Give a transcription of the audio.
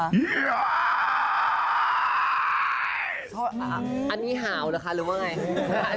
แล้วอันนี้ห่าวหรือว่าอะไร